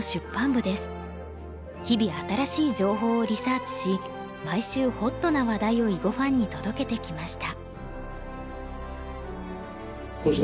日々新しい情報をリサーチし毎週ホットな話題を囲碁ファンに届けてきました。